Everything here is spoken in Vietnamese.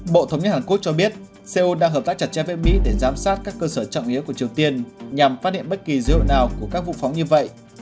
bộ thống nhất hàn quốc cho biết seoul đang hợp tác chặt chẽ với mỹ để giám sát các cơ sở trọng yếu của triều tiên nhằm phát hiện bất kỳ dữ liệu nào của các vụ phóng như vậy